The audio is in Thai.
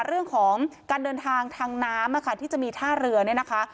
เรื่องของการเดินทางทางน้ำที่จะมีท่าเรือเนี่ยนะคะ